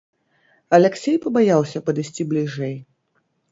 Аляксей пабаяўся падысці бліжэй.